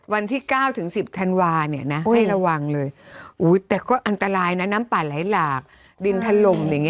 วันที่๙๑๐ธันวาให้ระวังเลยแต่ก็อันตรายนะน้ำป่าหลายหลากดินทรลม